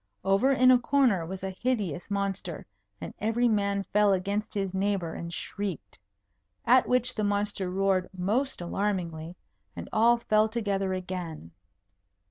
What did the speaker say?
Over in a corner was a hideous monster, and every man fell against his neighbour and shrieked. At which the monster roared most alarmingly, and all fell together again.